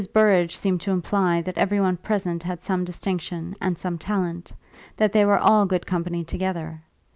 Burrage seemed to imply that every one present had some distinction and some talent, that they were all good company together.